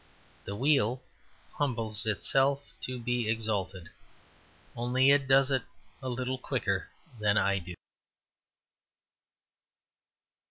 The wheel humbles itself to be exalted; only it does it a little quicker than I do.